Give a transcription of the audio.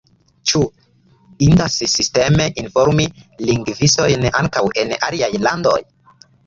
Ĉu indas sisteme informi lingvistojn ankaŭ en aliaj landoj?